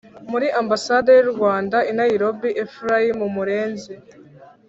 muri Ambasade y u Rwanda I Nairobi Ephraim Murenzi